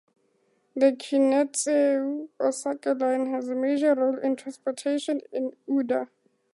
The Kintetsu Osaka Line has a major role in transportation in Uda.